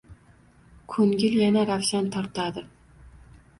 Ko‘ngil yana ravshan tortadi.